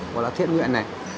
gọi là thiện nguyện này